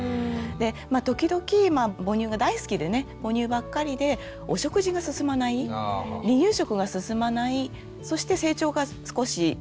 時々母乳が大好きでね母乳ばっかりでお食事が進まない離乳食が進まないそして成長が少しこうね